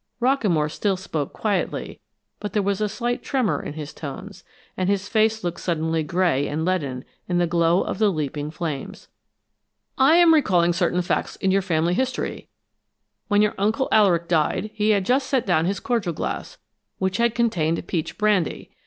Rockamore still spoke quietly, but there was a slight tremor in his tones, and his face looked suddenly gray and leaden in the glow of the leaping flames. "I am recalling certain facts in your family history. When your Uncle Alaric died, he had just set down his cordial glass, which had contained peach brandy.